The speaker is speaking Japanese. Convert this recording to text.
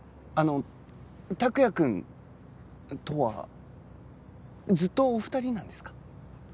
あの託也くんとはずっとお二人なんですか？